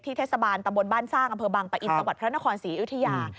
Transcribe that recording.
ที่เทศบาลตะบนบ้านซากอำเภอบังประอิศสวรรค์พระนครศรีอิทยา